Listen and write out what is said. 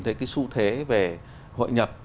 thấy cái xu thế về hội nhập